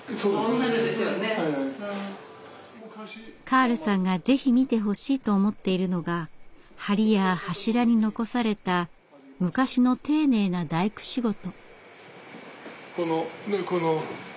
カールさんがぜひ見てほしいと思っているのが梁や柱に残された昔の丁寧な大工仕事。